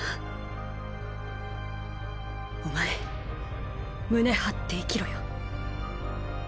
お前胸張って生きろよ。